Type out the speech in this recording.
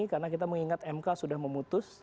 karena kita mengingat mk sudah memutus